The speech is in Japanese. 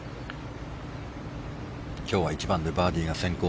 今日は１番でバーディーが先行。